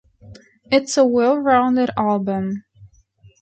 It's a well-rounded album.